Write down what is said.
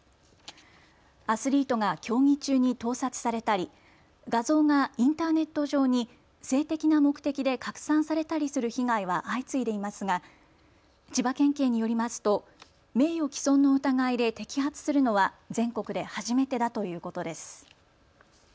アスリートが競技中に盗撮されたり、画像がインターネット上に性的な目的で拡散されたりする被害は相次いでいますが千葉県警によりますと名誉毀損の疑いで摘発するのは全国で初めてだということです。